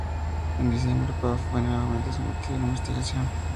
En diciembre, Paf fue nuevamente sometido a una investigación.